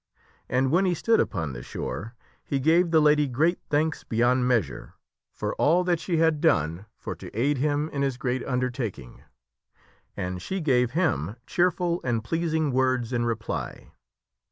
And when he stood upon the shore, he gave the Lady great thanks beyond measure for all that she had done for to aid him in his great undertaking ; and she gave him cheerful and pleasing words in reply.